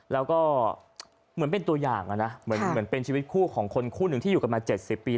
แล้วก็เหมือนเป็นตัวอย่างนะเหมือนเป็นชีวิตคู่ของคนคู่หนึ่งที่อยู่กันมา๗๐ปี